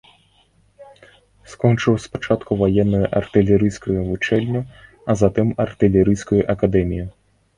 Скончыў спачатку ваенную артылерыйскую вучэльню, а затым артылерыйскую акадэмію.